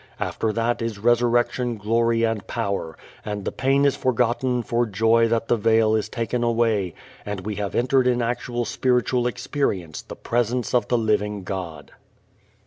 After that is resurrection glory and power, and the pain is forgotten for joy that the veil is taken away and we have entered in actual spiritual experience the Presence of the living God.